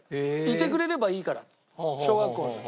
いてくれればいいからって。小学校の時。